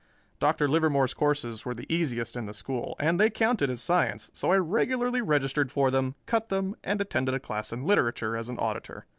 Dr. Livermore's courses were the easiest in the school and they counted as science, so I regularly registered for them, cut them, and attended a class in literature as an auditor.